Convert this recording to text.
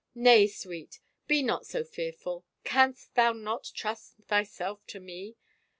" Nay, Sweet, be not so f ear fuL Canst thou not trust thyself to me?